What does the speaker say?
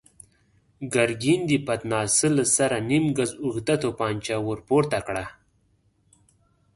ګرګين د پتناسه له سره نيم ګز اوږده توپانچه ور پورته کړه.